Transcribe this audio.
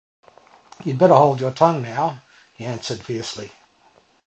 ‘You’d better hold your tongue, now,’ he answered fiercely.